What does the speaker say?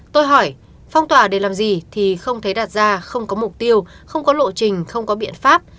tôi hỏi phong tỏa để làm gì thì không thấy đạt ra không có mục tiêu không có lộ trình không có biện pháp